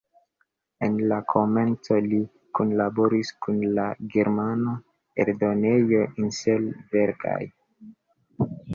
En la komenco li kunlaboris kun la germana eldonejo Insel-Verlag.